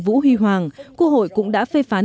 vũ huy hoàng quốc hội cũng đã phê phán